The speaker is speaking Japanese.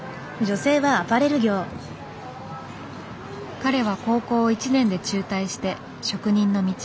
彼は高校を１年で中退して職人の道へ。